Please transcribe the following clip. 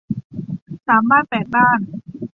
สามบ้านแปดบ้าน